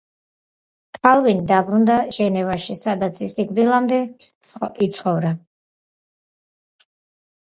კალვინი დაბრუნდა ჟენევაში, სადაც სიკვდილამდე იცხოვრა.